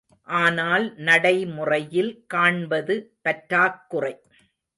ஆனால் நடைமுறையில் காண்பது பற்றாக்குறை.